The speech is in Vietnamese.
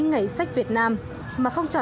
ngày sách việt nam mà không chờ